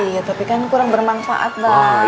iya tapi kan kurang bermanfaat bang